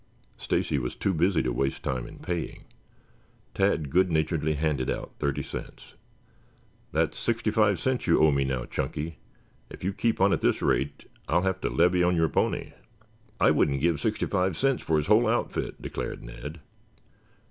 Stacy was too busy to waste time in paying. Tad good naturedly handed out thirty cents. "That's sixty five cents you owe me now, Chunky. If you keep on at this rate I'll have to levy on your pony." "I wouldn't give sixty five cents for his whole outfit," declared Ned.